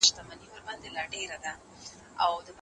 د مطالعې د پروسې پراختیا د نوو نظریو لاره پرانیزي.